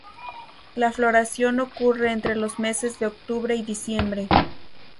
La floración ocurre entre los meses de octubre y diciembre.